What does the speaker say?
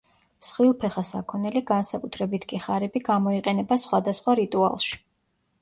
მსხვილფეხა საქონელი, განსაკუთრებით კი ხარები გამოიყენება სხვადასხვა რიტუალში.